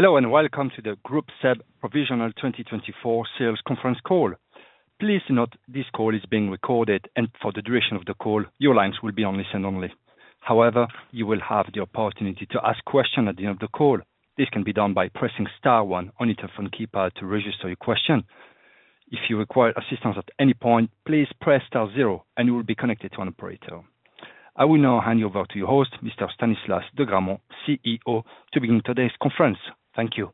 Hello and welcome to the Groupe SEB Provisional 2024 Sales Conference Call. Please note this call is being recorded, and for the duration of the call, your lines will be on listen only. However, you will have the opportunity to ask questions at the end of the call. This can be done by pressing star one on your telephone keypad to register your question. If you require assistance at any point, please press star zero, and you will be connected to an operator. I will now hand you over to your host, Mr. Stanislas de Gramont, CEO, to begin today's conference. Thank you.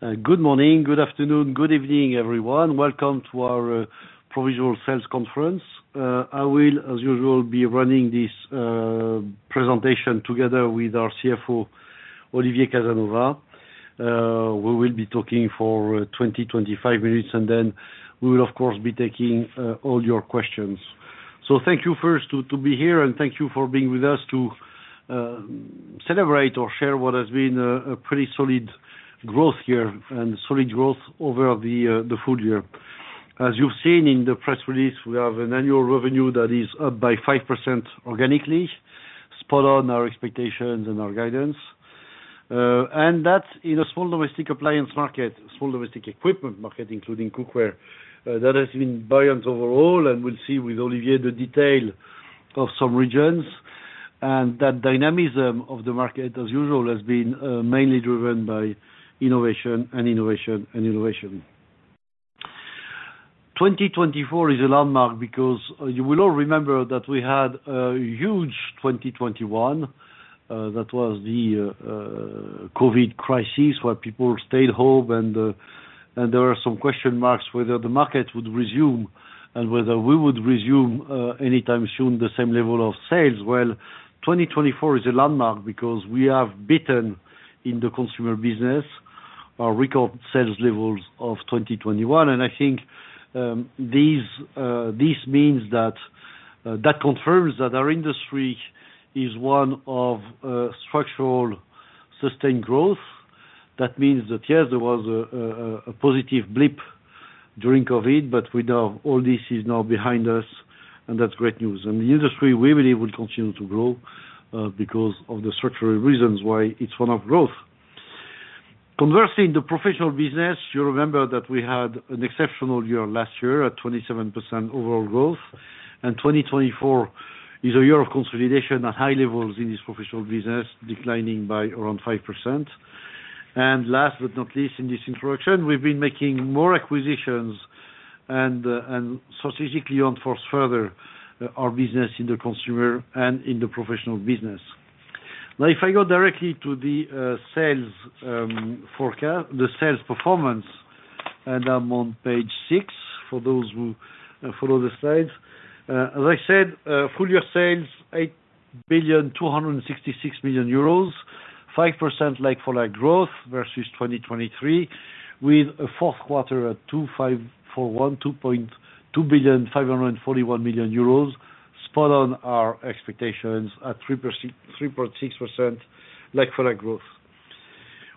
Good morning, good afternoon, good evening, everyone. Welcome to our Provisional Sales Conference. I will, as usual, be running this presentation together with our CFO, Olivier Casanova. We will be talking for 20, 25 minutes, and then we will, of course, be taking all your questions. So thank you first to be here, and thank you for being with us to celebrate or share what has been a pretty solid growth year and solid growth over the full year. As you've seen in the press release, we have an annual revenue that is up by 5% organically, spot on our expectations and our guidance. And that's in a small domestic appliance market, small domestic equipment market, including cookware. That has been buoyant overall, and we'll see with Olivier the detail of some regions. That dynamism of the market, as usual, has been mainly driven by innovation and innovation and innovation. 2024 is a landmark because you will all remember that we had a huge 2021. That was the COVID crisis where people stayed home, and there were some question marks whether the market would resume and whether we would resume anytime soon the same level of sales. 2024 is a landmark because we have beaten in the consumer business our record sales levels of 2021. I think this means that that confirms that our industry is one of structural sustained growth. That means that, yes, there was a positive blip during COVID, but we know all this is now behind us, and that's great news. The industry, we believe, will continue to grow because of the structural reasons why it's one of growth. Conversely, in the professional business, you remember that we had an exceptional year last year at 27% overall growth. And 2024 is a year of consolidation at high levels in this professional business, declining by around 5%. And last but not least, in this introduction, we've been making more acquisitions and strategically enforce further our business in the consumer and in the professional business. Now, if I go directly to the sales performance, and I'm on page six for those who follow the slides. As I said, full year sales, 8,266 million euros, 5% like-for-like growth versus 2023, with a fourth quarter at 2.241 million euros, spot on our expectations at 3.6% like-for-like growth.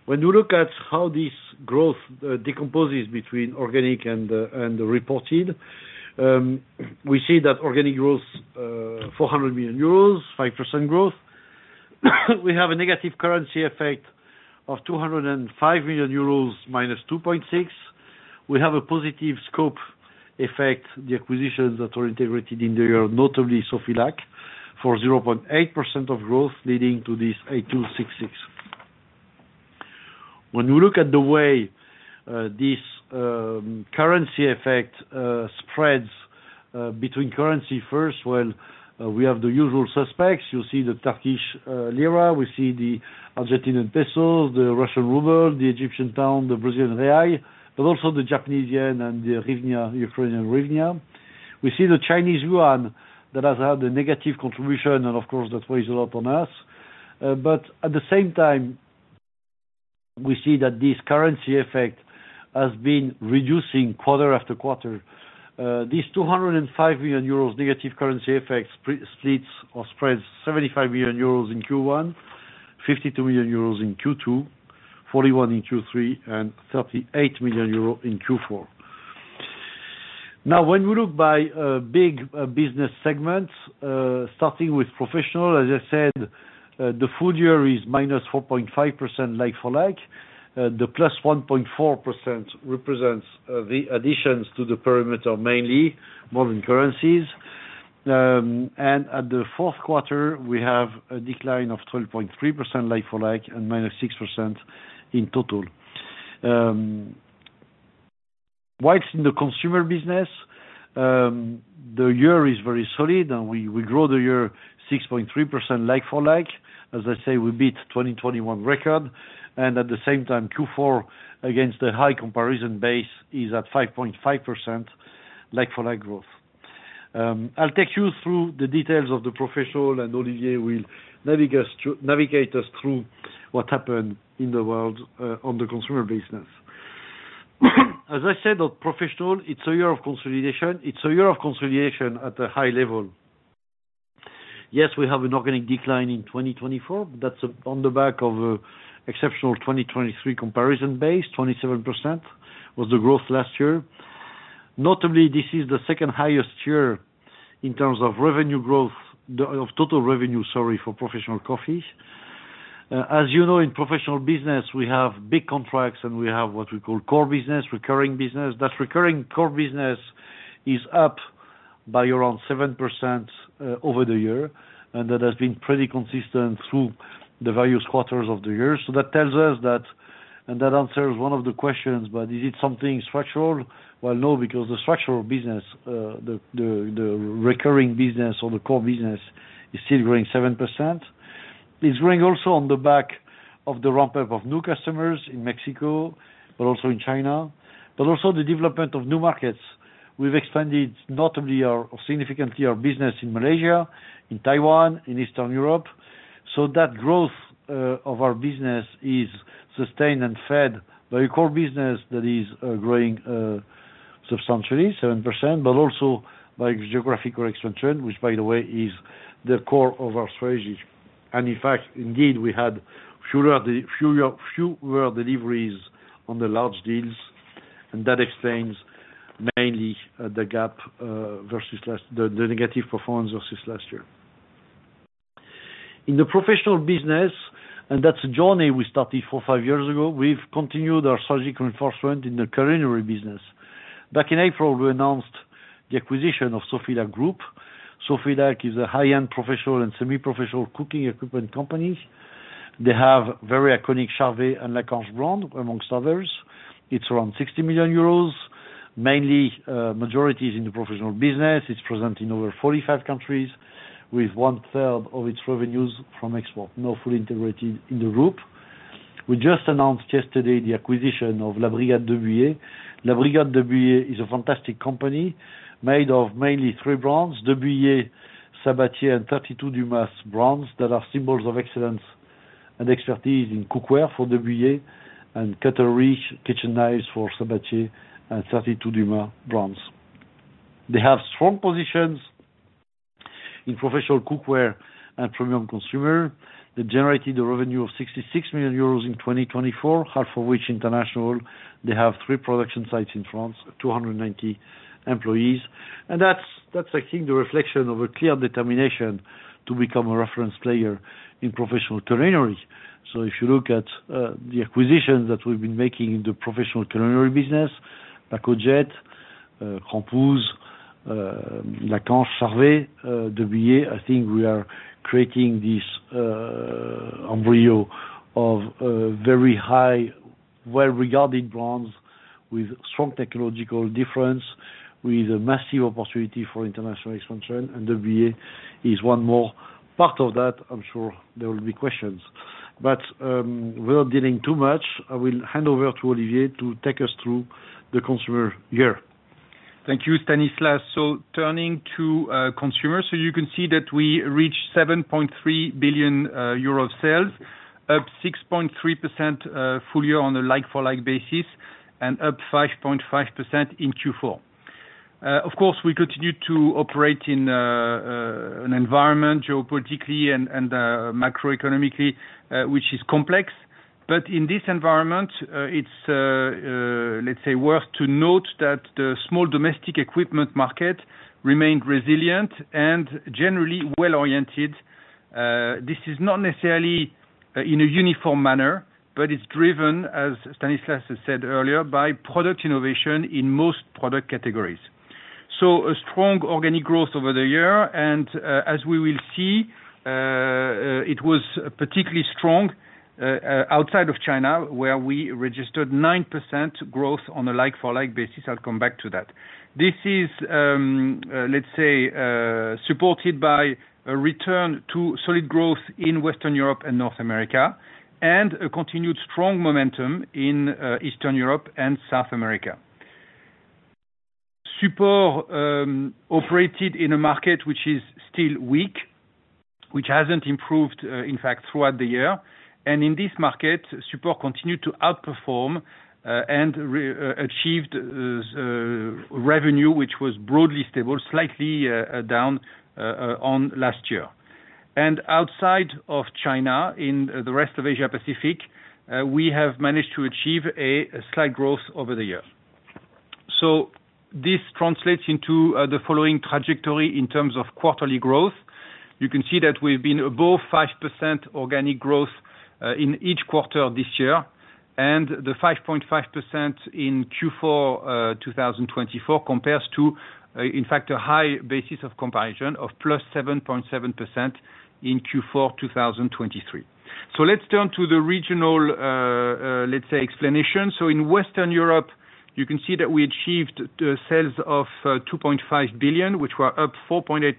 When we look at how this growth decomposes between organic and reported, we see that organic growth, 400 million euros, 5% growth. We have a negative currency effect of 205 million euros minus 2.6. We have a positive scope effect, the acquisitions that were integrated in the year, notably Sofilac, for 0.8% of growth, leading to this 8266. When we look at the way this currency effect spreads between currency first, well, we have the usual suspects. You see the Turkish Lira, we see the Argentinian Peso, the Russian Ruble, the Egyptian Pound, the Brazilian Real, but also the Japanese Yen and the Ukrainian Hryvnia. We see the Chinese Yuan that has had a negative contribution, and of course, that weighs a lot on us. But at the same time, we see that this currency effect has been reducing quarter after quarter. This 205 million euros negative currency effect splits or spreads 75 million euros in Q1, 52 million euros in Q2, 41 in Q3, and 38 million euros in Q4. Now, when we look by big business segments, starting with professional, as I said, the full year is minus 4.5% like-for-like. The plus 1.4% represents the additions to the perimeter, mainly from currencies. And at the fourth quarter, we have a decline of 12.3% like-for-like and minus 6% in total. While it's in the consumer business, the year is very solid, and we grow the year 6.3% like-for-like. As I say, we beat 2021 record. And at the same time, Q4 against the high comparison base is at 5.5% like-for-like growth. I'll take you through the details of the professional, and Olivier will navigate us through what happened worldwide on the consumer business. As I said, professional, it's a year of consolidation. It's a year of consolidation at a high level. Yes, we have an organic decline in 2024, but that's on the back of an exceptional 2023 comparison base. 27% was the growth last year. Notably, this is the second highest year in terms of revenue growth of total revenue, sorry, for professional coffee. As you know, in professional business, we have big contracts, and we have what we call core business, recurring business. That recurring core business is up by around 7% over the year, and that has been pretty consistent through the various quarters of the year. So that tells us that, and that answers one of the questions, but is it something structural? Well, no, because the structural business, the recurring business or the core business is still growing 7%. It's growing also on the back of the ramp-up of new customers in Mexico, but also in China, but also the development of new markets. We've expanded notably or significantly our business in Malaysia, in Taiwan, in Eastern Europe. So that growth of our business is sustained and fed by a core business that is growing substantially, 7%, but also by geographical expansion, which, by the way, is the core of our strategy. In fact, indeed, we had fewer deliveries on the large deals, and that explains mainly the gap versus the negative performance versus last year. In the professional business, and that's a journey we started four, five years ago, we've continued our strategic reinforcement in the culinary business. Back in April, we announced the acquisition of Sofilac Group. Sofilac is a high-end professional and semi-professional cooking equipment company. They have very iconic Charvet and Lacanche brands, among others. It's around 60 million euros, mainly in the professional business. It's present in over 45 countries, with one-third of its revenues from export. Not fully integrated in the group. We just announced yesterday the acquisition of La Brigade de Buyer. La Brigade de Buyer is a fantastic company made of mainly three brands: de Buyer, Sabatier, and 32 Dumas brands that are symbols of excellence and expertise in cookware for de Buyer, and cutlery, kitchen knives for Sabatier and 32 Dumas brands. They have strong positions in professional cookware and premium consumer. They generated a revenue of 66 million euros in 2024, half of which international. They have three production sites in France, 290 employees. That's, I think, the reflection of a clear determination to become a reference player in professional culinary. If you look at the acquisitions that we've been making in the professional culinary business, Pacojet, Krampouz, Lacanche, Charvet, de Buyer, I think we are creating this embryo of very high, well-regarded brands with strong technological difference, with a massive opportunity for international expansion. De Buyer is one more part of that. I'm sure there will be questions. Without delaying too much, I will hand over to Olivier to take us through the consumer year. Thank you, Stanislas. So, turning to consumers, you can see that we reached €7.3 billion of sales, up 6.3% full year on a like-for-like basis, and up 5.5% in Q4. Of course, we continue to operate in an environment geopolitically and macroeconomically, which is complex. But in this environment, it's, let's say, worth to note that the small domestic equipment market remained resilient and generally well-oriented. This is not necessarily in a uniform manner, but it's driven, as Stanislas said earlier, by product innovation in most product categories. So a strong organic growth over the year, and as we will see, it was particularly strong outside of China, where we registered 9% growth on a like-for-like basis. I'll come back to that. This is, let's say, supported by a return to solid growth in Western Europe and North America, and a continued strong momentum in Eastern Europe and South America. Supor operated in a market which is still weak, which hasn't improved, in fact, throughout the year. In this market, Supor continued to outperform and achieved revenue, which was broadly stable, slightly down on last year. Outside of China, in the rest of Asia-Pacific, we have managed to achieve a slight growth over the year. This translates into the following trajectory in terms of quarterly growth. You can see that we've been above 5% organic growth in each quarter this year, and the 5.5% in Q4 2024 compares to, in fact, a high basis of comparison of plus 7.7% in Q4 2023. Let's turn to the regional, let's say, explanation. In Western Europe, you can see that we achieved sales of 2.5 billion, which were up 4.8%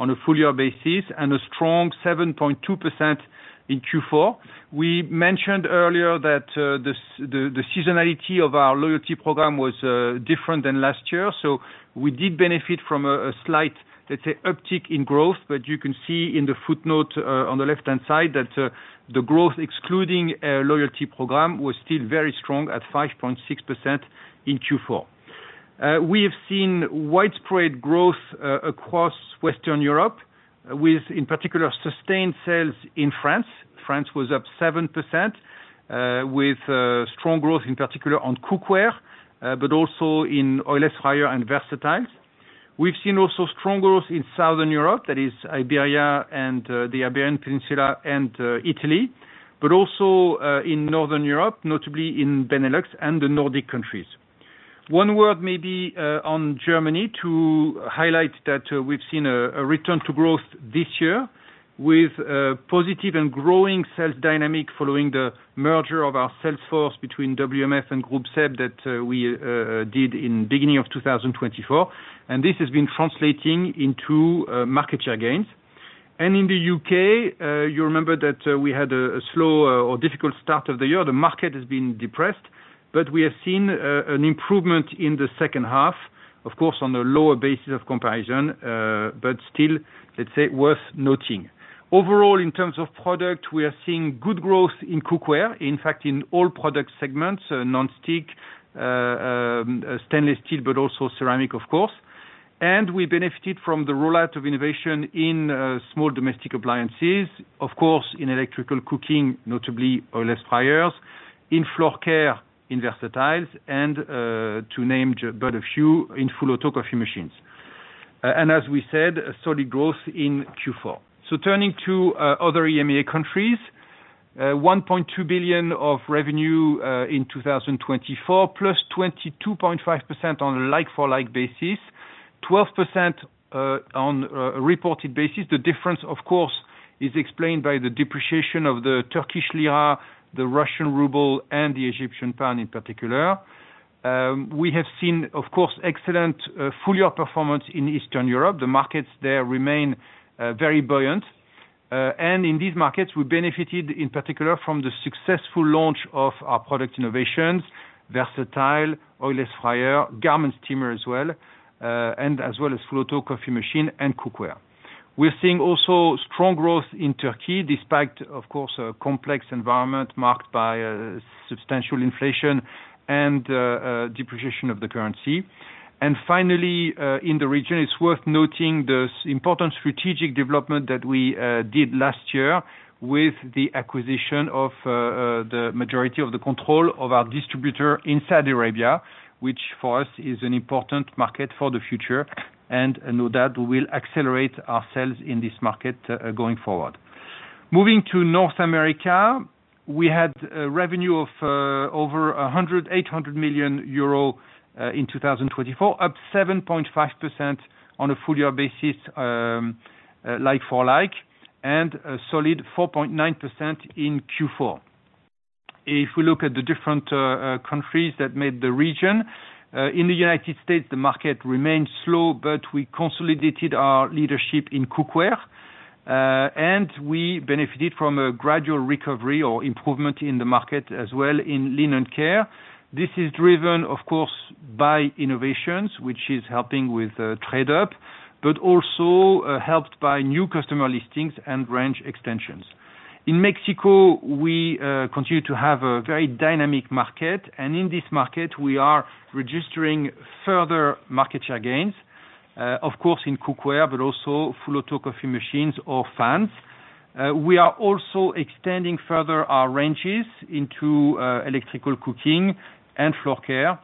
on a full year basis, and a strong 7.2% in Q4. We mentioned earlier that the seasonality of our loyalty program was different than last year. We did benefit from a slight, let's say, uptick in growth. But you can see in the footnote on the left-hand side that the growth, excluding loyalty program, was still very strong at 5.6% in Q4. We have seen widespread growth across Western Europe, with, in particular, sustained sales in France. France was up 7%, with strong growth, in particular, on cookware, but also in oil-less fryer and versatiles. We've seen also strong growth in Southern Europe, that is, Iberia and the Iberian Peninsula and Italy, but also in Northern Europe, notably in Benelux and the Nordic countries. One word maybe on Germany to highlight that we've seen a return to growth this year with positive and growing sales dynamic following the merger of our sales force between WMF and Groupe SEB that we did in the beginning of 2024. And this has been translating into market share gains. And in the U.K., you remember that we had a slow or difficult start of the year. The market has been depressed, but we have seen an improvement in the second half, of course, on a lower basis of comparison, but still, let's say, worth noting. Overall, in terms of product, we are seeing good growth in cookware, in fact, in all product segments, non-stick, stainless steel, but also ceramic, of course. We benefited from the rollout of innovation in small domestic appliances, of course, in electrical cooking, notably oil-less fryers, in floor care, in versatiles, and to name but a few, in full-auto coffee machines. As we said, solid growth in Q4. Turning to other EMEA countries, 1.2 billion of revenue in 2024, plus 22.5% on a like-for-like basis, 12% on a reported basis. The difference, of course, is explained by the depreciation of the Turkish Lira, the Russian Ruble, and the Egyptian Pound in particular. We have seen, of course, excellent full year performance in Eastern Europe. The markets there remain very buoyant. In these markets, we benefited in particular from the successful launch of our product innovations, versatiles, oil-less fryer, garment steamer as well, and as well as full-auto coffee machine and cookware. We're seeing also strong growth in Turkey, despite, of course, a complex environment marked by substantial inflation and depreciation of the currency. And finally, in the region, it's worth noting the important strategic development that we did last year with the acquisition of the majority of the control of our distributor in Saudi Arabia, which for us is an important market for the future. And know that we will accelerate our sales in this market going forward. Moving to North America, we had a revenue of over 1,800 million euro in 2024, up 7.5% on a full year basis, like-for-like, and a solid 4.9% in Q4. If we look at the different countries that made the region, in the United States, the market remained slow, but we consolidated our leadership in cookware. And we benefited from a gradual recovery or improvement in the market as well in linen care. This is driven, of course, by innovations, which is helping with trade-up, but also helped by new customer listings and range extensions. In Mexico, we continue to have a very dynamic market, and in this market, we are registering further market share gains, of course, in cookware, but also full-auto coffee machines or fans. We are also extending further our ranges into electrical cooking and floor care,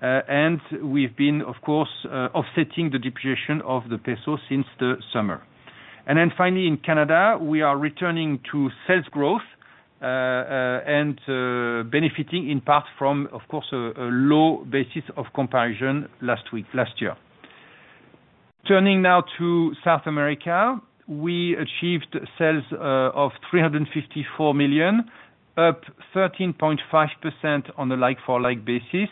and we've been, of course, offsetting the depreciation of the peso since the summer, and then finally, in Canada, we are returning to sales growth and benefiting in part from, of course, a low basis of comparison last year. Turning now to South America, we achieved sales of 354 million, up 13.5% on a like-for-like basis.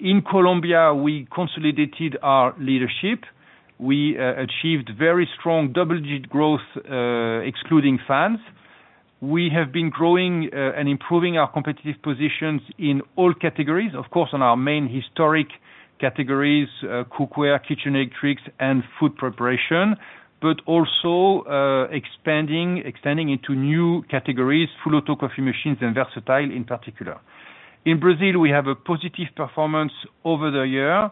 In Colombia, we consolidated our leadership. We achieved very strong double-digit growth, excluding fans. We have been growing and improving our competitive positions in all categories, of course, on our main historic categories, cookware, kitchen electrics, and food preparation, but also expanding into new categories, full-auto coffee machines and Versatiles in particular. In Brazil, we have a positive performance over the year.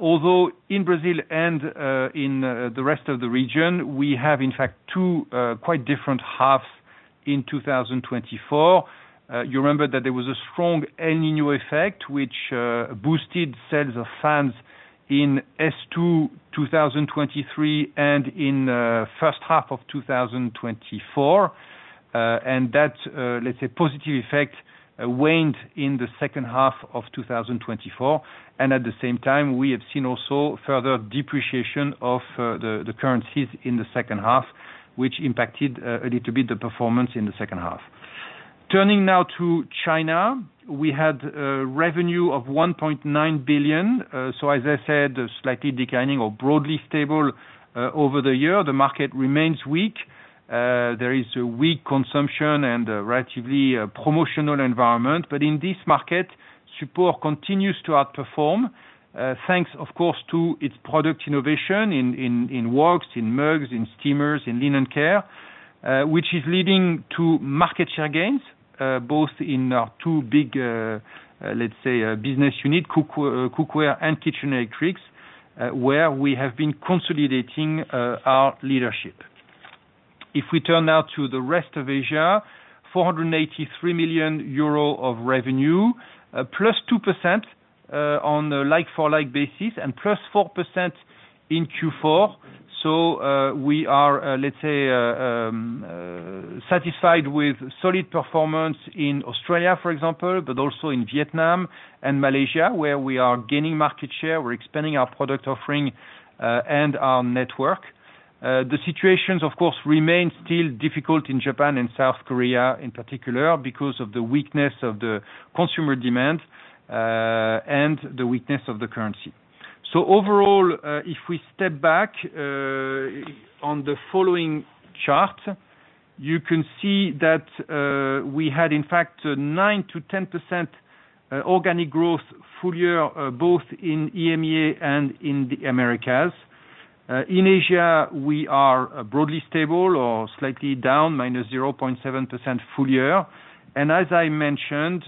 Although in Brazil and in the rest of the region, we have, in fact, two quite different halves in 2024. You remember that there was a strong El Niño effect, which boosted sales of fans in S2 2023 and in the first half of 2024. And that, let's say, positive effect waned in the second half of 2024. And at the same time, we have seen also further depreciation of the currencies in the second half, which impacted a little bit the performance in the second half. Turning now to China, we had a revenue of 1.9 billion. So, as I said, slightly declining or broadly stable over the year. The market remains weak. There is a weak consumption and a relatively promotional environment. But in this market, Supor continues to outperform, thanks, of course, to its product innovation in woks, in mugs, in steamers, in Linen Care, which is leading to market share gains, both in our two big, let's say, business units, cookware and kitchen electrics, where we have been consolidating our leadership. If we turn now to the rest of Asia, €483 million of revenue, +2% on a like-for-like basis, and +4% in Q4. So we are, let's say, satisfied with solid performance in Australia, for example, but also in Vietnam and Malaysia, where we are gaining market share. We're expanding our product offering and our network. The situations, of course, remain still difficult in Japan and South Korea in particular because of the weakness of the consumer demand and the weakness of the currency. So overall, if we step back on the following chart, you can see that we had, in fact, 9%-10% organic growth full year, both in EMEA and in the Americas. In Asia, we are broadly stable or slightly down, minus 0.7% full year. And as I mentioned,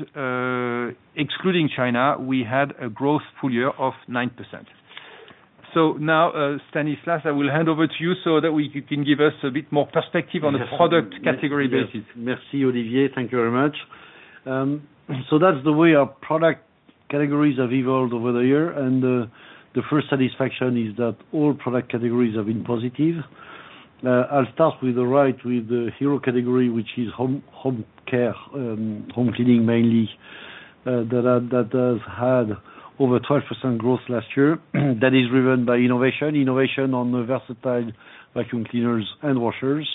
excluding China, we had a growth full year of 9%. So now, Stanislas, I will hand over to you so that you can give us a bit more perspective on the product category basis. Yes. Merci, Olivier. Thank you very much. So that's the way our product categories have evolved over the year. And the first satisfaction is that all product categories have been positive. I'll start with the right, with the hero category, which is home care, home cleaning mainly, that has had over 12% growth last year. That is driven by innovation, innovation on the versatile vacuum cleaners and washers.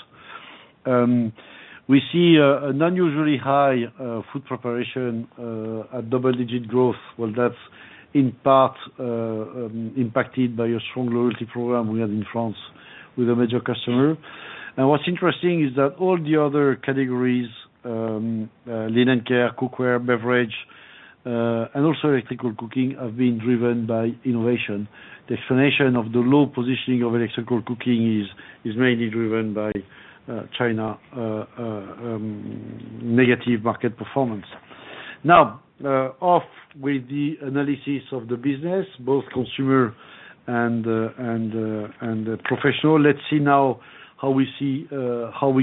We see an unusually high food preparation at double-digit growth. Well, that's in part impacted by a strong loyalty program we had in France with a major customer. And what's interesting is that all the other categories, Linen Care, cookware, beverage, and also electrical cooking, have been driven by innovation. The explanation of the low positioning of electrical cooking is mainly driven by China's negative market performance. Now, on with the analysis of the business, both consumer and professional. Let's see now how we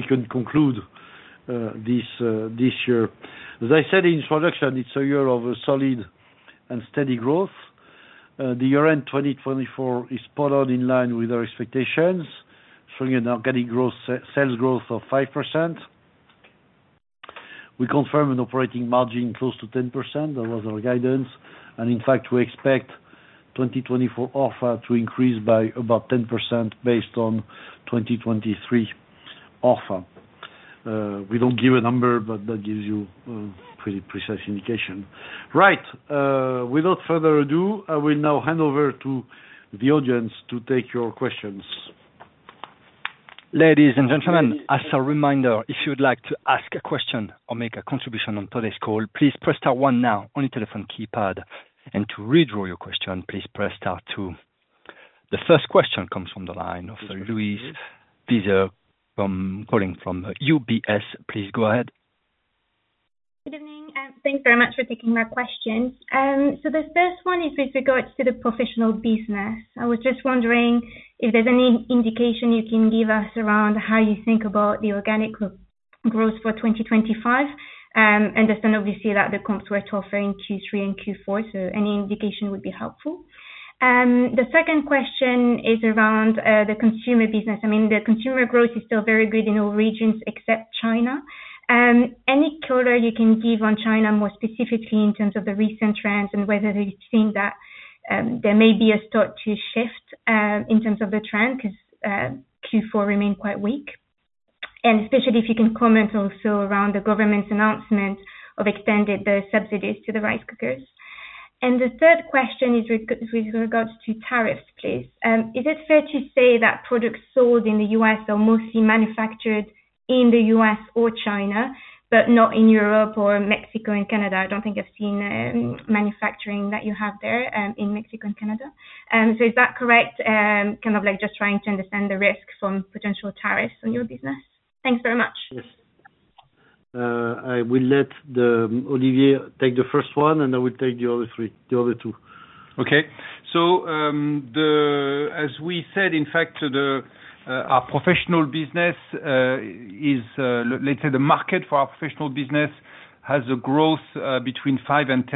can conclude this year. As I said in the introduction, it's a year of solid and steady growth. The year-end 2024 is spot-on in line with our expectations, showing an organic growth, sales growth of 5%. We confirmed an operating margin close to 10%. That was our guidance, and in fact, we expect 2024 ORFA to increase by about 10% based on 2023 ORFA. We don't give a number, but that gives you a pretty precise indication. Right. Without further ado, I will now hand over to the audience to take your questions. Ladies and gentlemen, as a reminder, if you'd like to ask a question or make a contribution on today's call, please press star one now on your telephone keypad, and to withdraw your question, please press star two. The first question comes from the line of Louise Bieser calling from UBS. Please go ahead. Good evening, and thanks very much for taking my question. So the first one is with regards to the professional business. I was just wondering if there's any indication you can give us around how you think about the organic growth for 2025. I understand, obviously, that the comps were tougher in Q3 and Q4, so any indication would be helpful. The second question is around the consumer business. I mean, the consumer growth is still very good in all regions except China. Any color you can give on China, more specifically in terms of the recent trends and whether you think that there may be a start to shift in terms of the trend because Q4 remained quite weak? And especially if you can comment also around the government's announcement of extended subsidies to the rice cookers. And the third question is with regards to tariffs, please. Is it fair to say that products sold in the U.S. are mostly manufactured in the U.S. or China, but not in Europe or Mexico and Canada? I don't think I've seen manufacturing that you have there in Mexico and Canada. So is that correct? Kind of like just trying to understand the risk from potential tariffs on your business. Thanks very much. Yes. I will let Olivier take the first one, and I will take the other two. Okay, so as we said, in fact, our professional business is, let's say, the market for our professional business has a growth between 5% and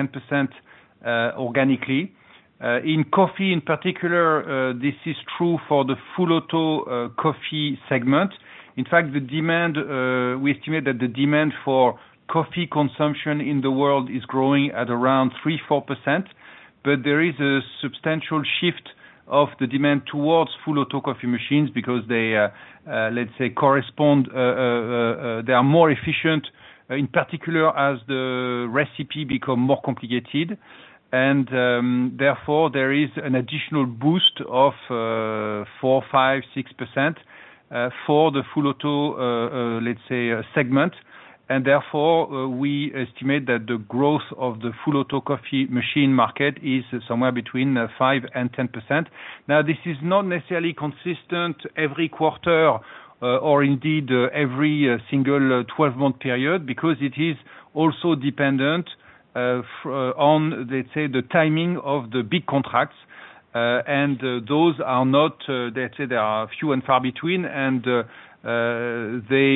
10% organically. In coffee, in particular, this is true for the full-auto coffee segment. In fact, we estimate that the demand for coffee consumption in the world is growing at around 3%, 4%, but there is a substantial shift of the demand towards full-auto coffee machines because they, let's say, correspond. They are more efficient, in particular as the recipe becomes more complicated, and therefore, there is an additional boost of 4%, 5%, 6% for the full-auto, let's say, segment, and therefore, we estimate that the growth of the full-auto coffee machine market is somewhere between 5% and 10%. Now, this is not necessarily consistent every quarter or indeed every single 12-month period because it is also dependent on, let's say, the timing of the big contracts. And those are not, let's say, they are few and far between, and they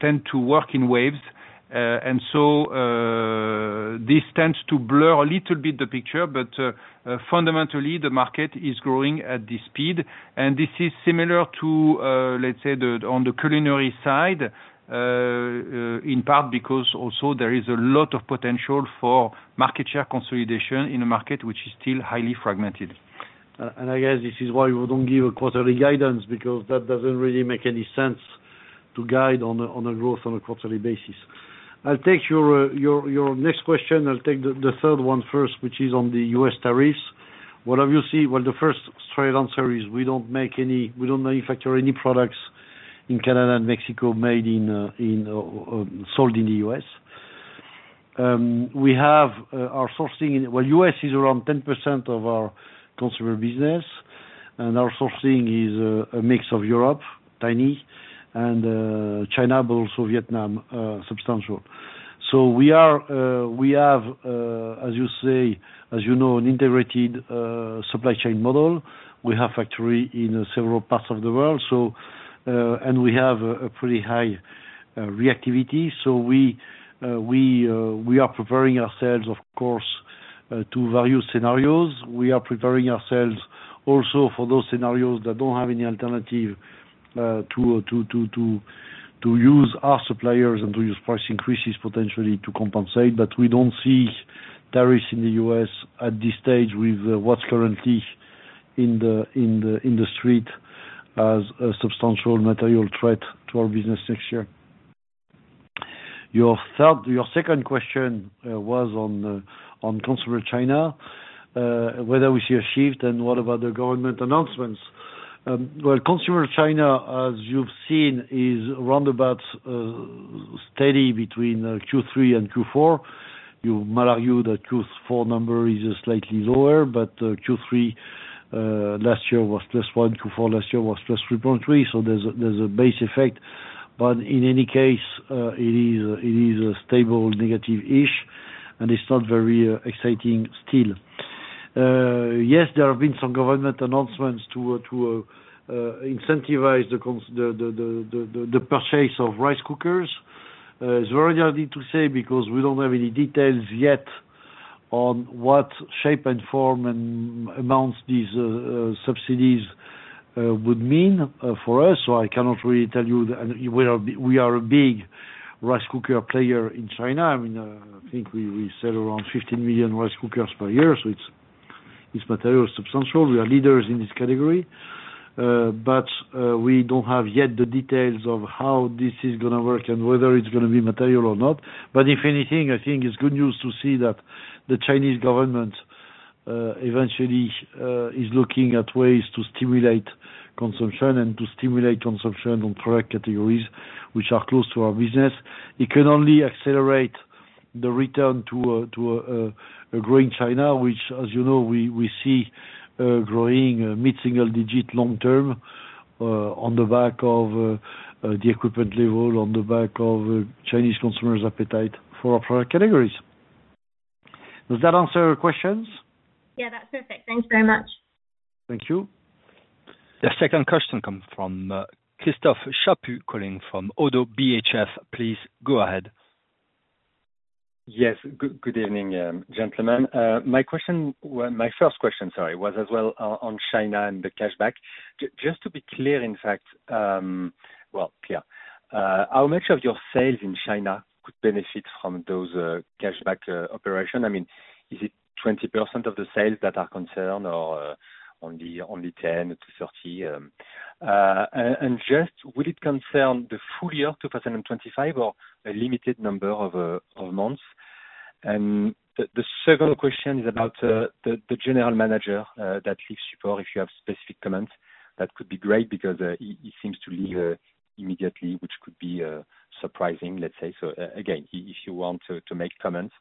tend to work in waves. And so this tends to blur a little bit the picture. But fundamentally, the market is growing at this speed. And this is similar to, let's say, on the culinary side, in part because also there is a lot of potential for market share consolidation in a market which is still highly fragmented. I guess this is why we don't give a quarterly guidance because that doesn't really make any sense to guide on a growth on a quarterly basis. I'll take your next question. I'll take the third one first, which is on the U.S. tariffs. What have you seen? Well, the first straight answer is we don't manufacture any products in Canada and Mexico sold in the U.S. We have our sourcing. Well, U.S. is around 10% of our consumer business. And our sourcing is a mix of Europe, Turkey, and China, but also Vietnam, substantial. So we have, as you say, as you know, an integrated supply chain model. We have factories in several parts of the world. We have a pretty high reactivity. So we are preparing ourselves, of course, to various scenarios. We are preparing ourselves also for those scenarios that don't have any alternative to use our suppliers and to use price increases potentially to compensate. But we don't see tariffs in the U.S. at this stage with what's currently in the industry as a substantial material threat to our business next year. Your second question was on consumer China, whether we see a shift and what about the government announcements. Well, consumer China, as you've seen, is roundabout steady between Q3 and Q4. You might argue that Q4 number is slightly lower, but Q3 last year was plus one, Q4 last year was plus 3.3. So there's a base effect. But in any case, it is stable, negative-ish, and it's not very exciting still. Yes, there have been some government announcements to incentivize the purchase of rice cookers. It's very early to say because we don't have any details yet on what shape and form and amounts these subsidies would mean for us. So I cannot really tell you. We are a big rice cooker player in China. I mean, I think we sell around 15 million rice cookers per year. So it's materially substantial. We are leaders in this category. But we don't have yet the details of how this is going to work and whether it's going to be material or not. But if anything, I think it's good news to see that the Chinese government eventually is looking at ways to stimulate consumption and to stimulate consumption on product categories which are close to our business. It can only accelerate the return to a growing China, which, as you know, we see growing mid-single digit long-term on the back of the equipment level, on the back of Chinese consumers' appetite for our product categories. Does that answer your questions? Yeah, that's perfect. Thanks very much. Thank you. The second question comes from Christophe Chaput calling from Oddo BHF. Please go ahead. Yes. Good evening, gentlemen. My first question, sorry, was as well on China and the cashback. Just to be clear, in fact, well, clear, how much of your sales in China could benefit from those cashback operations? I mean, is it 20% of the sales that are concerned or only 10%-30%? And just, would it concern the full year 2025 or a limited number of months? And the second question is about the general manager that leaves Supor. If you have specific comments, that could be great because he seems to leave immediately, which could be surprising, let's say. So again, if you want to make comments,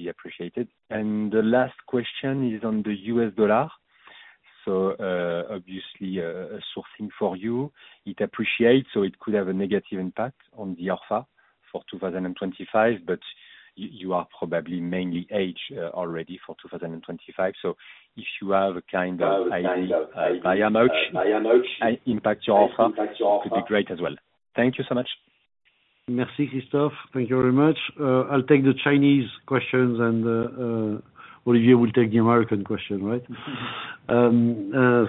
it could be appreciated. And the last question is on the U.S. dollar. So obviously, sourcing for you, it appreciates. So it could have a negative impact on the ORFA for 2025, but you are probably mainly hedged already for 2025. So if you have a kind of. I have a kind of hedge. I am out. I am out. Impact your ORFA could be great as well. Thank you so much. Merci, Christophe. Thank you very much. I'll take the Chinese questions, and Olivier will take the American question, right?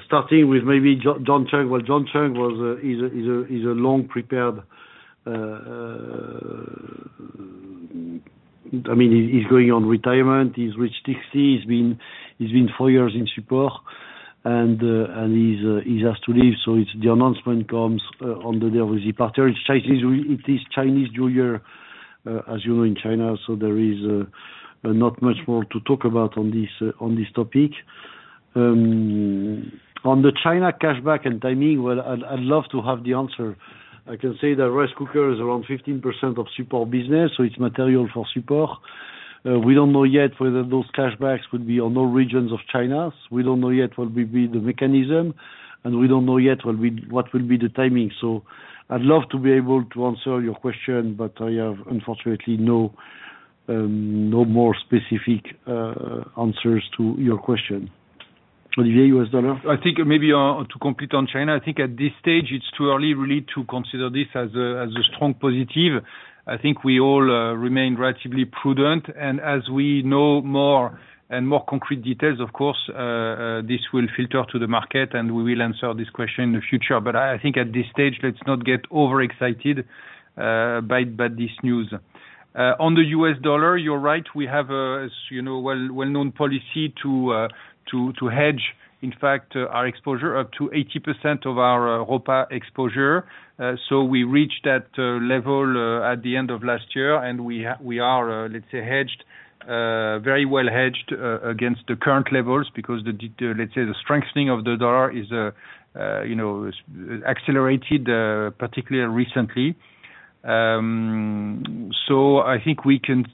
Starting with maybe John Chang. Well, John Chang is long prepared. I mean, he's going on retirement. He's reached 60. He's been four years in Supor, and he's asked to leave. So the announcement comes on the day of his departure. It is Chinese New Year, as you know, in China. So there is not much more to talk about on this topic. On the China cashback and timing, well, I'd love to have the answer. I can say that rice cooker is around 15% of Supor business, so it's material for Supor. We don't know yet whether those cashbacks would be on all regions of China. We don't know yet what will be the mechanism, and we don't know yet what will be the timing. So I'd love to be able to answer your question, but I have, unfortunately, no more specific answers to your question. Olivier, U.S. dollar? I think maybe to complete on China, I think at this stage, it's too early really to consider this as a strong positive. I think we all remain relatively prudent, and as we know more and more concrete details, of course, this will filter to the market, and we will answer this question in the future, but I think at this stage, let's not get overexcited by this news. On the U.S. dollar, you're right. We have a well-known policy to hedge, in fact, our exposure up to 80% of our ORFA exposure. So we reached that level at the end of last year, and we are, let's say, hedged, very well hedged against the current levels because, let's say, the strengthening of the dollar is accelerated particularly recently. So I think we can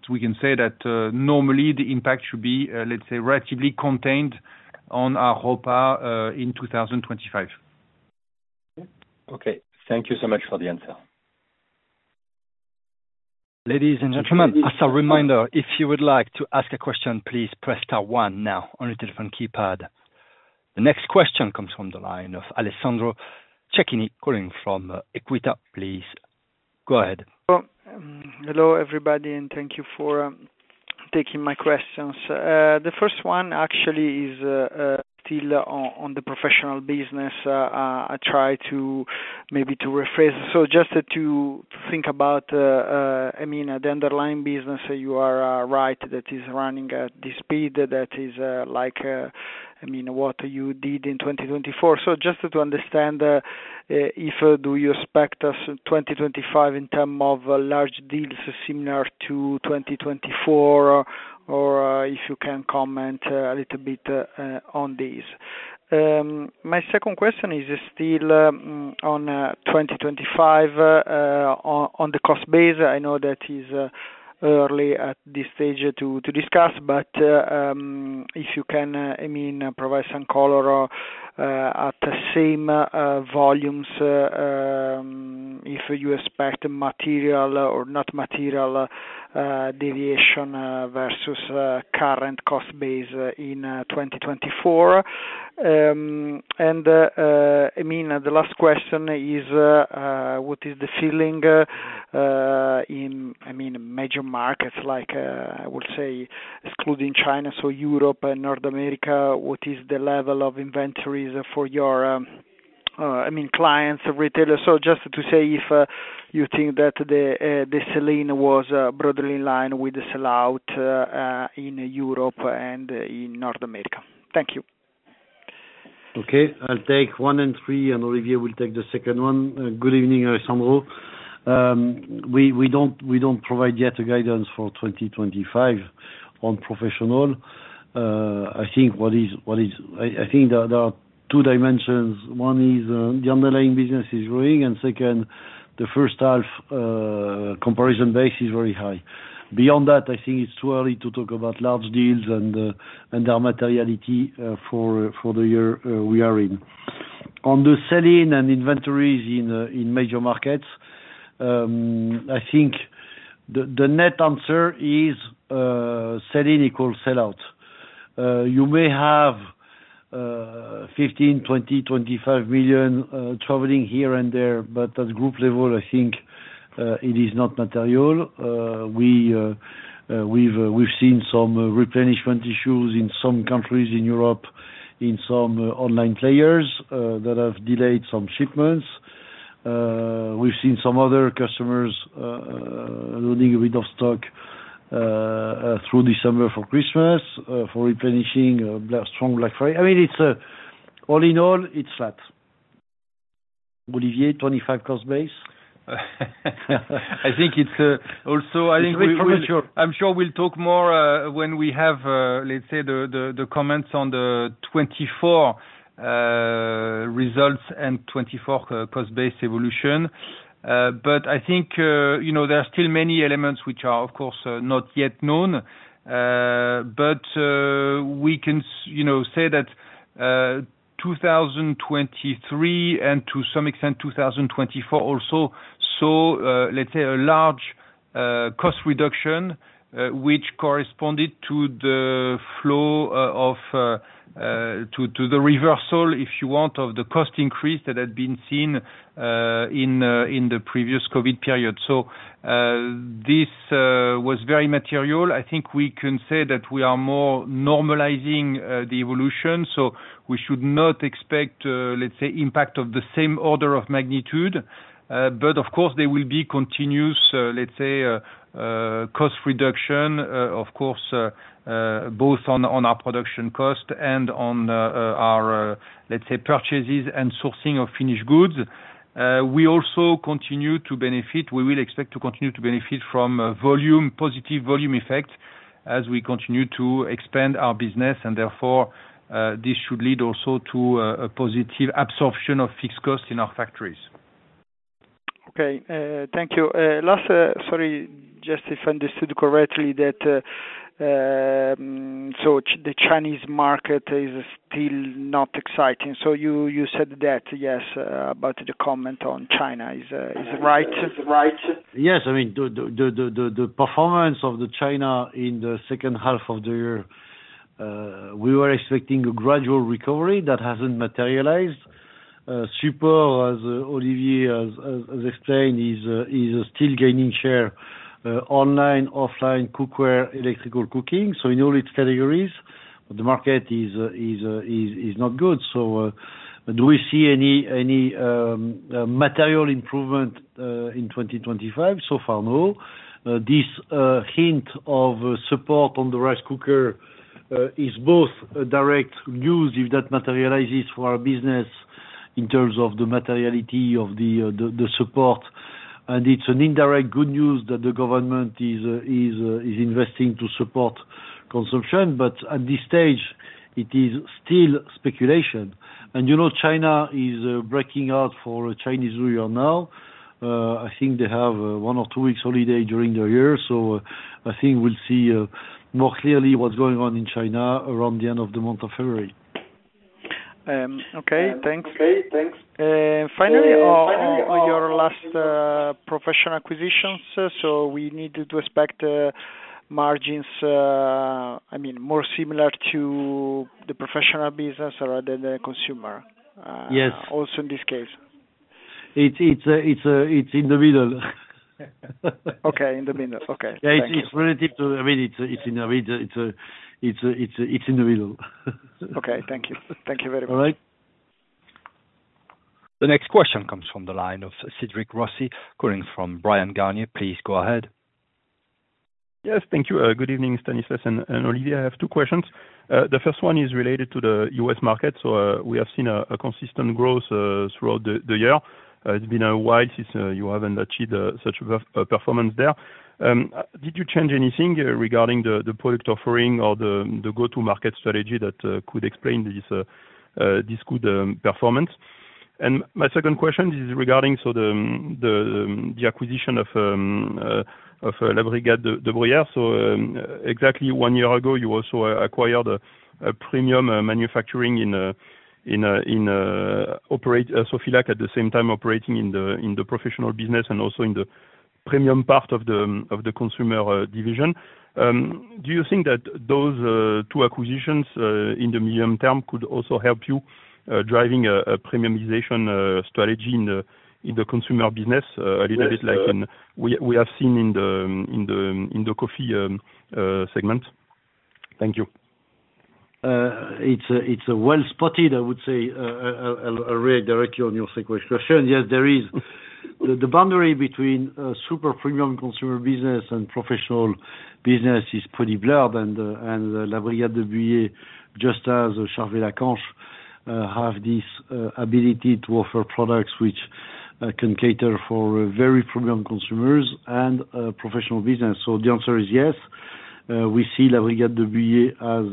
say that normally the impact should be, let's say, relatively contained on our ORFA in 2025. Okay. Thank you so much for the answer. Ladies and gentlemen, as a reminder, if you would like to ask a question, please press star one now on your telephone keypad. The next question comes from the line of Alessandro Cecchini calling from Equita. Please go ahead. Hello, everybody, and thank you for taking my questions. The first one actually is still on the professional business. I try to maybe to rephrase. So just to think about, I mean, the underlying business, you are right, that is running at this speed that is like, I mean, what you did in 2024. So just to understand, if do you expect us in 2025 in terms of large deals similar to 2024, or if you can comment a little bit on these. My second question is still on 2025 on the cost base. I know that is early at this stage to discuss, but if you can, I mean, provide some color at the same volumes if you expect material or not material deviation versus current cost base in 2024. And I mean, the last question is, what is the feeling in, I mean, major markets like, I would say, excluding China, so Europe and North America? What is the level of inventories for your, I mean, clients, retailers? So just to say if you think that the selling was broadly in line with the sellout in Europe and in North America. Thank you. Okay. I'll take one and three, and Olivier will take the second one. Good evening, Alessandro. We don't provide yet a guidance for 2025 on professional. I think there are two dimensions. One is the underlying business is growing, and second, the first half comparison base is very high. Beyond that, I think it's too early to talk about large deals and their materiality for the year we are in. On the sell-in and inventories in major markets, I think the net answer is sell-in equals sell-out. You may have 15, 20, 25 million traveling here and there, but at group level, I think it is not material. We've seen some replenishment issues in some countries in Europe, in some online players that have delayed some shipments. We've seen some other customers loading a bit of stock through December for Christmas for replenishing strong Black Friday. I mean, all in all, it's flat. Olivier, 25 cost base? I think it's also. I think we'll talk more when we have, let's say, the comments on the 2024 results and 2024 cost base evolution. But I think there are still many elements which are, of course, not yet known. But we can say that 2023 and to some extent 2024 also saw, let's say, a large cost reduction, which corresponded to the flow-through to the reversal, if you want, of the cost increase that had been seen in the previous COVID period. So this was very material. I think we can say that we are more normalizing the evolution. So we should not expect, let's say, impact of the same order of magnitude. But of course, there will be continuous, let's say, cost reduction, of course, both on our production cost and on our, let's say, purchases and sourcing of finished goods. We also continue to benefit. We will expect to continue to benefit from positive volume effects as we continue to expand our business. And therefore, this should lead also to a positive absorption of fixed costs in our factories. Okay. Thank you. Sorry, just if I understood correctly that so the Chinese market is still not exciting? So you said that, yes, about the comment on China is right? Yes. I mean, the performance of China in the second half of the year, we were expecting a gradual recovery that hasn't materialized. Supor, as Olivier has explained, is still gaining share online, offline, cookware, electrical cooking. So in all its categories, the market is not good. So do we see any material improvement in 2025? So far, no. This hint of support on the rice cooker is both direct news if that materializes for our business in terms of the materiality of the support. And it's an indirect good news that the government is investing to support consumption. But at this stage, it is still speculation. And China is breaking out for a Chinese New Year now. I think they have one or two weeks' holiday during the year. So I think we'll see more clearly what's going on in China around the end of the month of February. Okay. Thanks. Finally, on your last professional acquisitions, so we need to expect margins, I mean, more similar to the professional business rather than the consumer also in this case. It's in the middle. Okay. In the middle. Okay. Yeah. It's relative to I mean, it's in the middle. It's in the middle. Okay. Thank you. Thank you very much. All right. The next question comes from the line of Cédric Rossi calling from Bryan Garnier. Please go ahead. Yes. Thank you. Good evening, Stanislas and Olivier. I have two questions. The first one is related to the U.S. market. So we have seen a consistent growth throughout the year. It's been a while since you haven't achieved such a performance there. Did you change anything regarding the product offering or the go-to-market strategy that could explain this good performance? And my second question is regarding the acquisition of La Brigade de Buyer. So exactly one year ago, you also acquired a premium manufacturing in Sofilac, at the same time operating in the professional business and also in the premium part of the consumer division. Do you think that those two acquisitions in the medium term could also help you driving a premiumization strategy in the consumer business a little bit like we have seen in the coffee segment? Thank you. It's well spotted, I would say. I'll react directly on your second question. Yes, there is. The boundary between super premium consumer business and professional business is pretty blurred. And La Brigade de Buyer, just as Charvet, Lacanche, have this ability to offer products which can cater for very premium consumers and professional business. So the answer is yes. We see La Brigade de Buyer as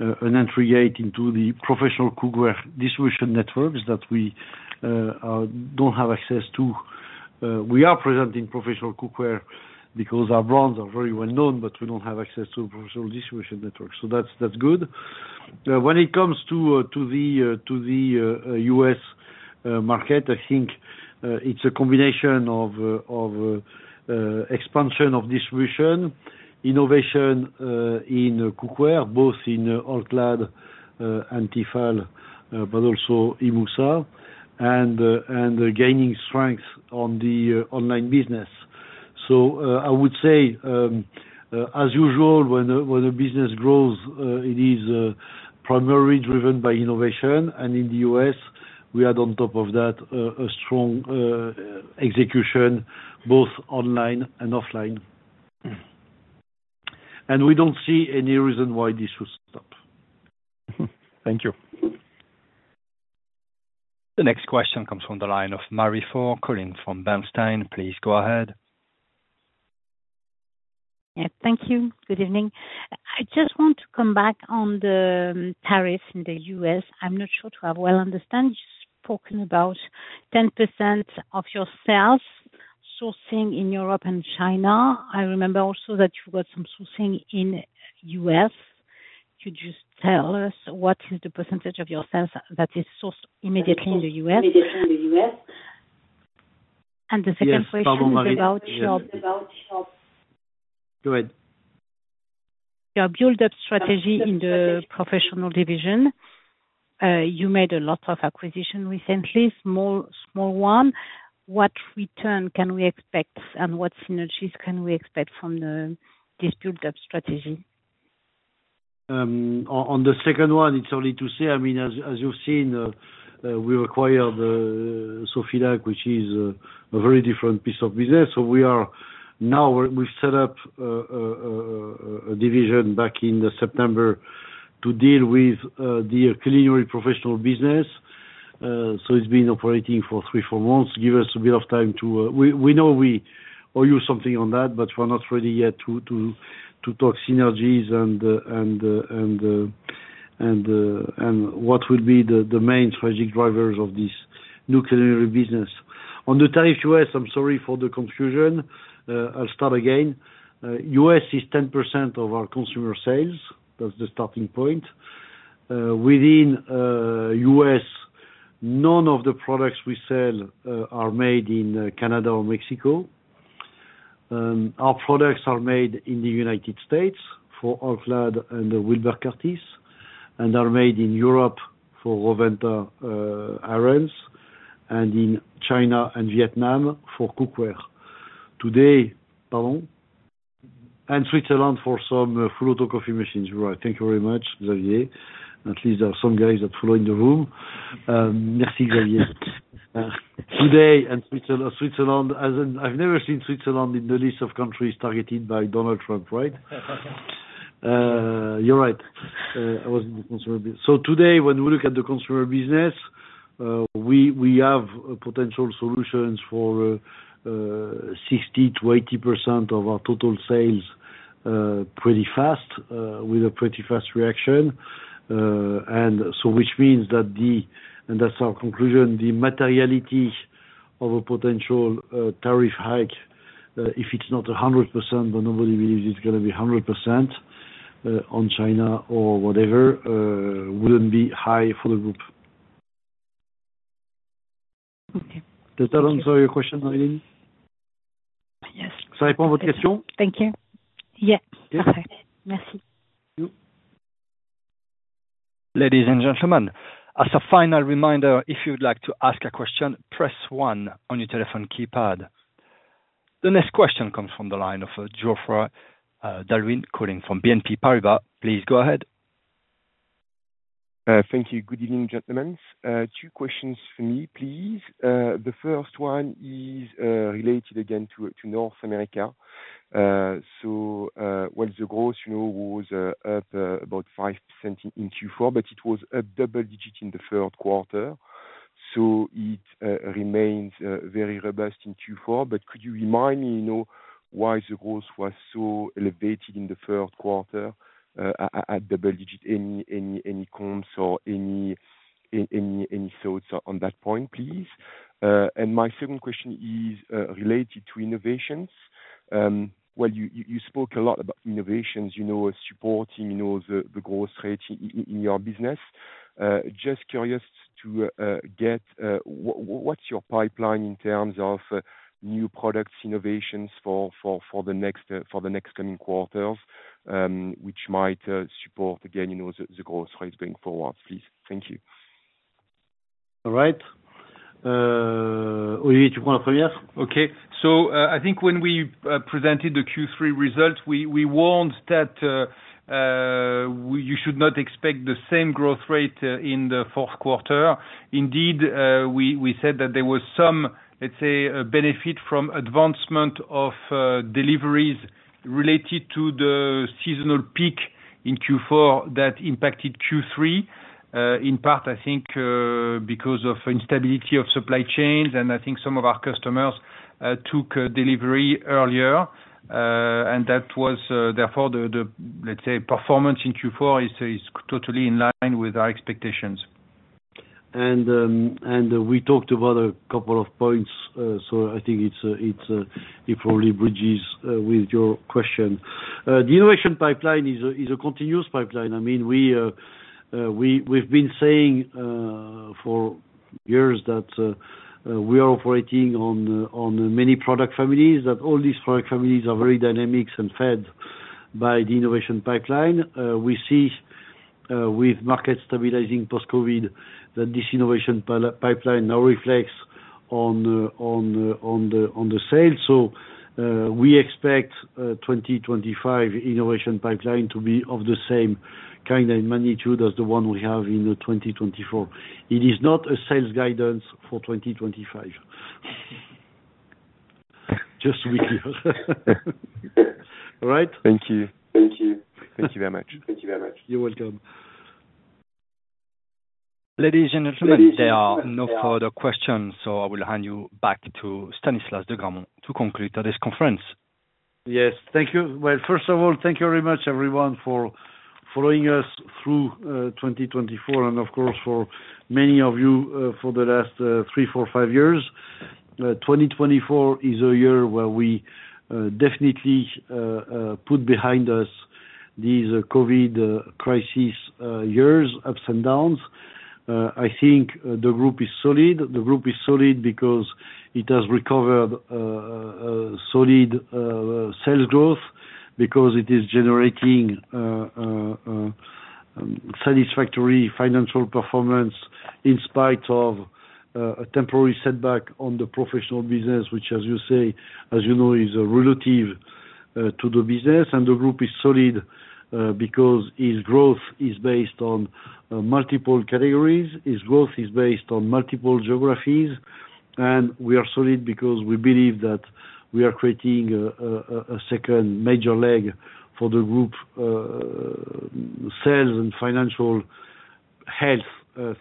an entry gate into the professional cookware distribution networks that we don't have access to. We are presenting professional cookware because our brands are very well known, but we don't have access to professional distribution networks. So that's good. When it comes to the U.S. market, I think it's a combination of expansion of distribution, innovation in cookware, both in All-Clad and Tefal, but also Imusa, and gaining strength on the online business. So I would say, as usual, when a business grows, it is primarily driven by innovation. And in the U.S., we had, on top of that, a strong execution both online and offline. And we don't see any reason why this would stop. Thank you. The next question comes from the line of Marie Faure calling from Bernstein. Please go ahead. Yes. Thank you. Good evening. I just want to come back on the tariffs in the U.S. I'm not sure if I've well understood. You spoke about 10% of your sales sourcing in Europe and China. I remember also that you got some sourcing in the U.S. Could you just tell us what is the percentage of your sales that is sourced immediately in the U.S.? Immediately in the U.S. And the second question is about your. Go ahead. Your build-up strategy in the professional division. You made a lot of acquisitions recently, small one. What return can we expect, and what synergies can we expect from this build-up strategy? On the second one, it's only to say, I mean, as you've seen, we acquired Sofilac, which is a very different piece of business. So now we've set up a division back in September to deal with the culinary professional business. So it's been operating for three, four months. Give us a bit of time too. We know we owe you something on that, but we're not ready yet to talk synergies and what will be the main strategic drivers of this new culinary business. On the tariff, U.S., I'm sorry for the confusion. I'll start again. U.S. is 10% of our consumer sales. That's the starting point. Within U.S., none of the products we sell are made in Canada or Mexico. Our products are made in the United States for All-Clad and Wilbur Curtis, and are made in Europe for Rowenta irons and in China and Vietnam for cookware. Pardon? And Switzerland for some full-automatic coffee machines. All right. Thank you very much, Xavier. At least there are some guys that follow in the room. Merci, Xavier. I've never seen Switzerland in the list of countries targeted by Donald Trump, right? You're right. I was in the consumer business. So today, when we look at the consumer business, we have potential solutions for 60%-80% of our total sales pretty fast with a pretty fast reaction. And so which means that that's our conclusion. The materiality of a potential tariff hike, if it's not 100%, but nobody believes it's going to be 100% on China or whatever, wouldn't be high for the group. Does that answer your question, Eileen? Yes. Thank you. Yes. Okay. Merci. Thank you. Ladies and gentlemen, as a final reminder, if you'd like to ask a question, press one on your telephone keypad. The next question comes from the line of Geoffroy d'Halluin calling from BNP Paribas. Please go ahead. Thank you. Good evening, gentlemen. Two questions for me, please. The first one is related again to North America. So while the growth was up about 5% in Q4, but it was a double-digit in the third quarter. So it remains very robust in Q4. But could you remind me why the growth was so elevated in the third quarter at double-digit? Any comments or any thoughts on that point, please? And my second question is related to innovations. Well, you spoke a lot about innovations, supporting the growth rate in your business. Just curious to get what's your pipeline in terms of new products, innovations for the next coming quarters, which might support, again, the growth rate going forward, please? Thank you. All right. Olivier, you want to come here? Okay. So I think when we presented the Q3 results, we warned that you should not expect the same growth rate in the fourth quarter. Indeed, we said that there was some, let's say, benefit from advancement of deliveries related to the seasonal peak in Q4 that impacted Q3, in part, I think, because of instability of supply chains. And I think some of our customers took delivery earlier. And that was, therefore, the, let's say, performance in Q4 is totally in line with our expectations. We talked about a couple of points. I think it probably bridges with your question. The innovation pipeline is a continuous pipeline. I mean, we've been saying for years that we are operating on many product families, that all these product families are very dynamic and fed by the innovation pipeline. We see, with markets stabilizing post-COVID, that this innovation pipeline now reflects on the sales. We expect 2025 innovation pipeline to be of the same kind and magnitude as the one we have in 2024. It is not a sales guidance for 2025. Just to be clear. All right? Thank you. Thank you. Thank you very much. Thank you very much. You're welcome. Ladies and gentlemen, there are no further questions. So I will hand you back to Stanislas de Gramont to conclude this conference. Yes. Thank you. First of all, thank you very much, everyone, for following us through 2024 and, of course, for many of you for the last three, four, five years. 2024 is a year where we definitely put behind us these COVID crisis years, ups and downs. I think the group is solid. The group is solid because it has recovered solid sales growth, because it is generating satisfactory financial performance in spite of a temporary setback on the professional business, which, as you say, as you know, is relative to the business. The group is solid because its growth is based on multiple categories. Its growth is based on multiple geographies. We are solid because we believe that we are creating a second major leg for the group sales and financial health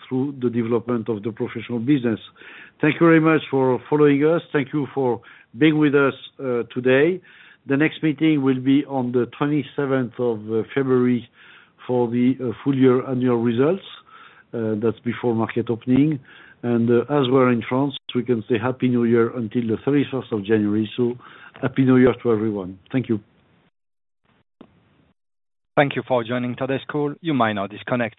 through the development of the professional business. Thank you very much for following us. Thank you for being with us today. The next meeting will be on the 27th of February for the full-year annual results. That's before market opening, and as we're in France, we can say Happy New Year until the 31st of January, so Happy New Year to everyone. Thank you. Thank you for joining today's call. You may now disconnect.